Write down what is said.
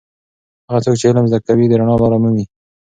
هغه څوک چې علم زده کوي د رڼا لاره مومي.